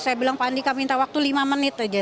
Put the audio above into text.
saya bilang pandika minta waktu lima menit saja